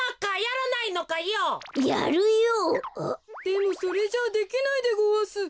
でもそれじゃあできないでごわす。